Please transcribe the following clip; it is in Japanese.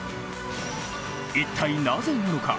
一体なぜなのか。